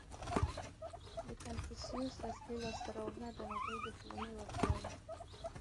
• د کنفوسیوس اصلي لاسته راوړنه د هغه د ښوونې وړتیا وه.